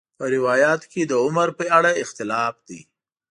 په روایاتو کې د عمر په اړه اختلاف دی.